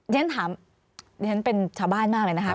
ฉะนั้นเป็นชาวบ้านมากเลยนะครับ